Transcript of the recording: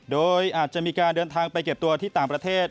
โดยอาจจะมีการเดินทางไปเก็บตัวที่ต่างประเทศ